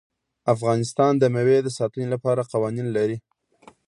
افغانستان د مېوې د ساتنې لپاره قوانین لري.